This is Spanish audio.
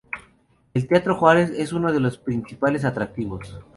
El Teatro Juárez es uno de los principales atractivos.